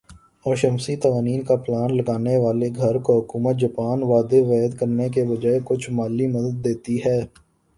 اور شمسی توانائی کا پلانٹ لگا نے والے گھر کو حکومت جاپان وعدے وعید کرنے کے بجائے کچھ مالی مدد دیتی ہے